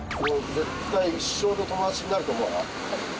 絶対、一生の友達になると思うな。